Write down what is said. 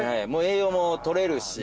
栄養も取れるし。